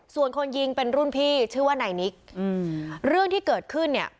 ส่วนคนยิงเป็นรุ่นพี่ชื่อว่านายนิกอืมเรื่องที่เกิดขึ้นเนี่ย